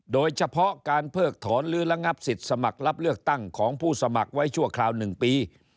โดยเฉพาะการเพิกถอนหรือระงับสิทธิ์สมัครรับเลือกตั้งของผู้สมัครไว้ชั่วคราว๑ปี